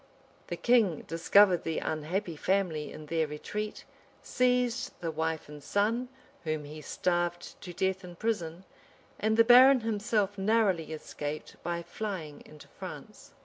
Tha king discovered the unhappy family in their retreat; seized the wife and son, whom he starved to death in prison; and the baron himself narrowly escaped, by flying into France.